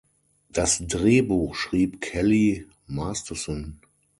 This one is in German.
Das Drehbuch schrieb Kelly Masterson.